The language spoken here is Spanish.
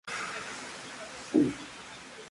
Florecen en primavera, verano.